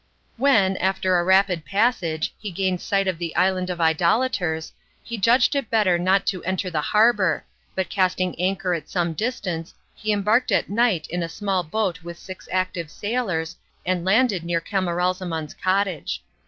When, after a rapid passage, he gained sight of the Island of Idolaters, he judged it better not to enter the harbour, but casting anchor at some distance he embarked at night in a small boat with six active sailors and landed near Camaralzaman's cottage.